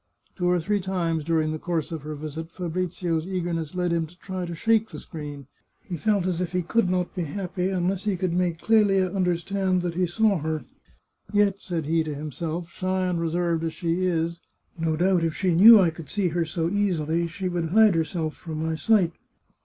Two or three times during the course of her visit Fabrizio's eagerness led him to try to shake the screen ; he felt as if he could not be happy unless he could make Clelia understand that he saw her. " Yet," said he to him self, " shy and reserved as she is, no doubt if she knew I could see her so easily, she would hide herself from my sight."